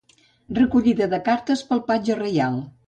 Recollida de les cartes pel patge reial.